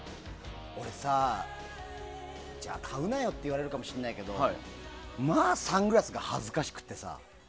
俺さ、買うなよって言われるかもしれないけどまあサングラスが恥ずかしくてさ。